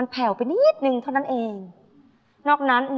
ช่วยฝังดินหรือกว่า